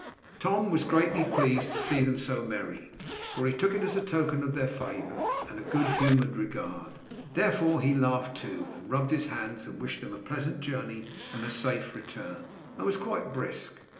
Tom was greatly pleased to see them so merry, for he took it as a token of their favour, and good humoured regard. Therefore he laughed too and rubbed his hands and wished them a pleasant journey and safe return, and was quite brisk.